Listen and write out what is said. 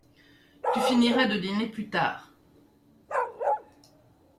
Tu finiras de dîner plus tard !